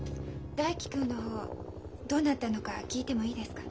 大樹君の方どうなったのか聞いてもいいですか？